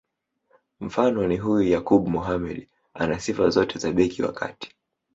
Mfano ni huyu Yakub Mohamed ana sifa zote za beki wa kati